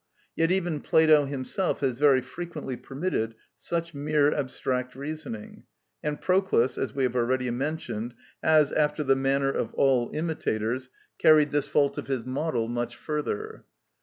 Yet even Plato himself has very frequently permitted such mere abstract reasoning; and Proclus, as we have already mentioned, has, after the manner of all imitators, carried this fault of his model much further.